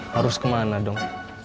harus kemana dong